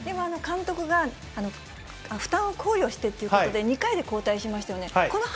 でも監督が負担を考慮してということで２回で交代しましたよね。